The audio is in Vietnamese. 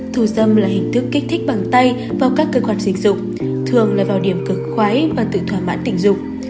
thù dâm là hình thức kích thích bằng tay vào các cơ quan sinh dục thường là vào điểm cực khoái và tự thỏa mãn tình dục